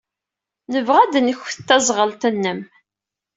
Nebɣa ad nket taẓɣelt-nnem.